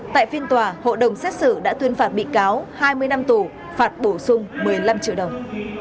tại phiên tòa hộ đồng xét xử đã tuyên phạt bị cáo hai mươi năm tù phạt bổ sung một mươi năm triệu đồng